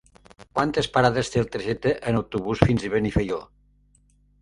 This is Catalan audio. Quantes parades té el trajecte en autobús fins a Benifaió?